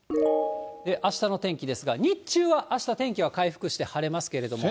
あしたの天気ですが、日中はあした、天気は回復して晴れますけれども。